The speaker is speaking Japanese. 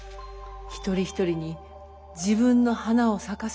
一人一人に自分の花を咲かせてほしい。